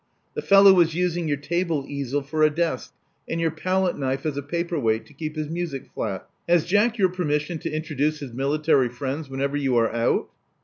The fellow was using your table easel for a desk, and your palette knife as a paper weight to keep his music flat. Has Jack your permission to introduce his military friends whenever you are out?"